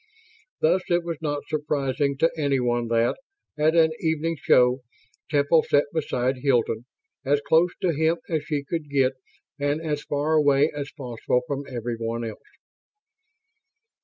Thus, it was not surprising to anyone that, at an evening show, Temple sat beside Hilton, as close to him as she could get and as far away as possible from everyone else.